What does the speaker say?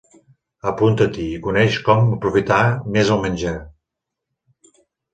Apunta-t'hi i coneix com aprofitar més el menjar.